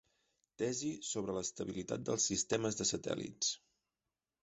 tesi sobre l'estabilitat dels sistemes de satèl·lits.